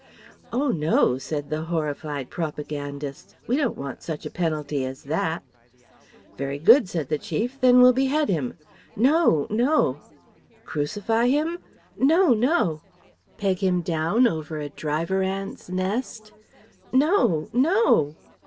"Oh no!" said the horrified propagandists: "We don't want such a penalty as that..." "Very good" said the Chief, "then we'll behead him..." "No! No!" "Crucify him?" "No! No!" "Peg him down over a Driver Ants' nest?" "No! No!"